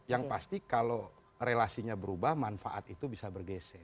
yang pasti kalau relasinya berubah manfaat itu bisa bergeser